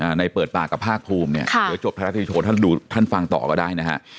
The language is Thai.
ในเปิดปากกับภาคภูมิเนี่ยค่ะเดี๋ยวจบไทยรัฐนิวโชว์ท่านดูท่านฟังต่อก็ได้นะฮะ